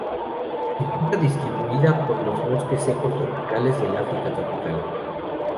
Se encuentra distribuida por los bosques secos tropicales del África tropical.